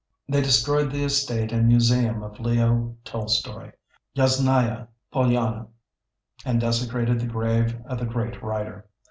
They destroyed the estate and museum of Leo Tolstoy, "Yasnaya Polyana," and desecrated the grave of the great writer.